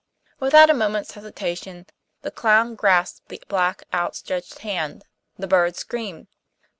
Without a moment's hesitation the clown grasped the black outstretched hand. The bird screamed.